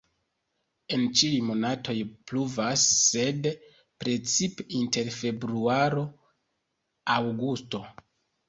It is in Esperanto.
En ĉiuj monatoj pluvas, sed precipe inter februaro-aŭgusto.